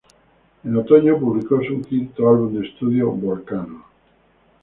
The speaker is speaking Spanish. En otoño publicó su quinto álbum de estudio, "Volcano".